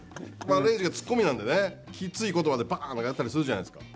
礼二がツッコミなんでねきつい言葉で、バーンとかやったりするじゃないですか。